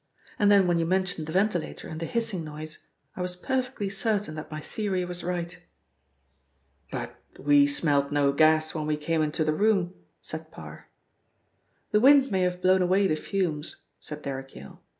And then when you mentioned the ventilator and the hissing noise, I was perfectly certain that my theory was right." "But we smelt no gas when we came into the room," said Parr. "The wind may have blown away the fumes," said Derrick Yale.